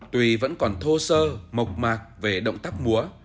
tuy vẫn còn thô sơ mộc mạc về động tác múa